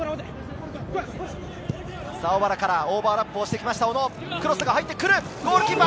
小原からオーバーラップしてきました、小野、クロスが入ってくる。